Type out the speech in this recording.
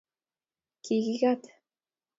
Kikikat